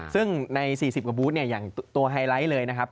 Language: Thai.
ซึ่งใน๔๐กว่าบูธเนี่ยอย่างตัวไฮไลท์เลยนะครับ